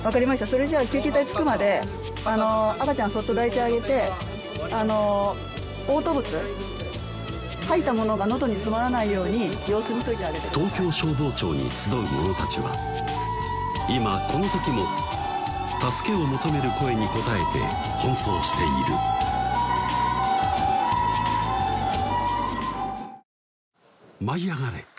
それじゃあ救急隊着くまで赤ちゃんそっと抱いてあげておう吐物吐いたものが喉に詰まらないように東京消防庁に集う者たちは今この時も助けを求める声に応えて奔走している舞い上がれ！